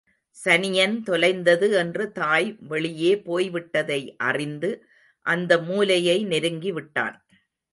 சனியன் தொலைந்தது என்று தாய் வெளியே போய்விட்டதை அறிந்து, அந்த மூலையை நெருங்கி விட்டான்.